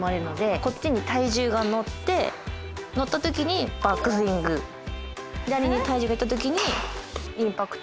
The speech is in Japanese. こっちに体重が乗って乗ったときにバックスイング左に体重がいったときにインパクト。